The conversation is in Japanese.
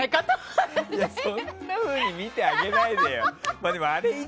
そんなふうに見てあげないでよ。